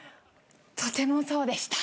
とてもそうでした。